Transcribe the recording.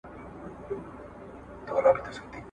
نه امید یې له قفسه د وتلو ..